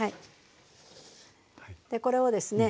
これをですね